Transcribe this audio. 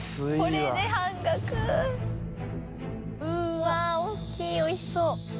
わぁ大きいおいしそう。